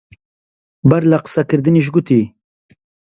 بەر لە قسە کردنیش گوتی: